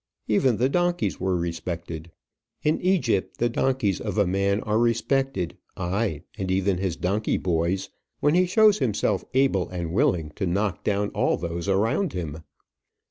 Even the donkeys were respected. In Egypt the donkeys of a man are respected, ay, and even his donkey boys, when he shows himself able and willing to knock down all those around him.